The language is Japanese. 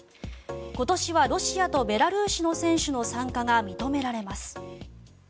今年はロシアとベラルーシの選手の参加が認められます。